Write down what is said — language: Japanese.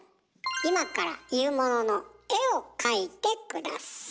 今から言うものの絵を描いて下さい。